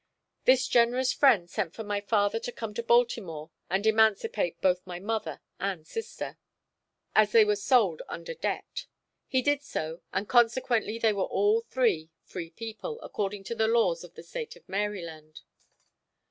This generous friend sent for my father to come to Baltimore and emancipate both my mother and sister, as they were sold under debt. He did so, and consequently they were all three free people according to the laws of the State of Maryland.